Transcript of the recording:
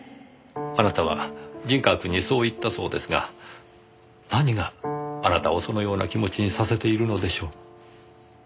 あなたは陣川くんにそう言ったそうですが何があなたをそのような気持ちにさせているのでしょう？